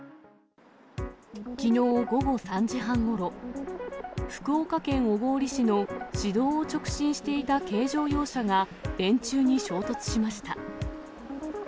きのう午後３時半ごろ、福岡県小郡市の市道を直進していた軽乗用車が電柱に衝突しました。